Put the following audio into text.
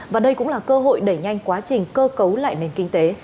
và đây cũng là cơ hội đẩy nhanh quá trình cơ cấu lại nền kinh tế